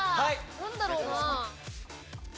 何だろうなぁ？